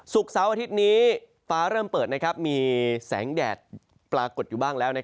เสาร์อาทิตย์นี้ฟ้าเริ่มเปิดมีแสงแดดปรากฏอยู่บ้างแล้ว